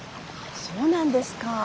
そうなんですか。